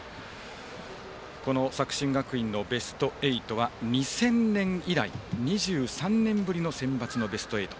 この作新学院のベスト８は２０００年以来２３年ぶりのセンバツのベスト８。